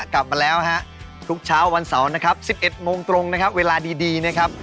กลับมาแล้วฮะทุกเช้าวันเสาร์นะครับ๑๑โมงตรงนะครับเวลาดีนะครับ